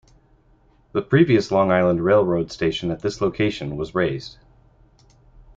The previous Long Island Rail Road station at this location was razed.